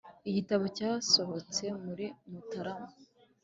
Igitabo cyasohotse muri Mutarama